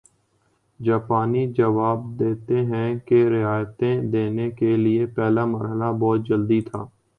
جاپانی جواب دیتے ہیں کہ رعایتیں دینے کے لیے پہلا مرحلہ بہت جلدی تھا